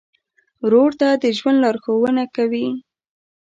ورور ته د ژوند لارښوونه کوې.